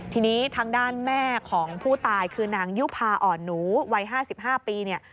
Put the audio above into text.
ทีนี้ทางด้านแม่ของผู้ตายคือนางยุภาอ่อนหนูวัย๕๕ปีเนี่ย